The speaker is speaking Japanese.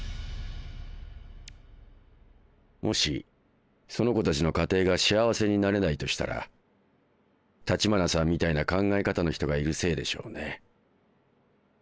もしその子たちの家庭が幸せになれないとしたら橘さんみたいな考え方の人がいるせいでしょうね。